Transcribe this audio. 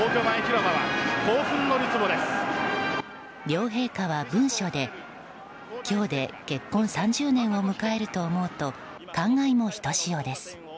両陛下は文書で、今日で結婚３０年を迎えると思うと感慨もひとしおです。